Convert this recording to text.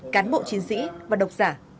cán bộ chiến sĩ và độc giả